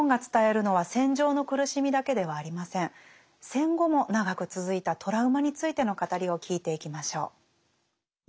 戦後も長く続いたトラウマについての語りを聞いていきましょう。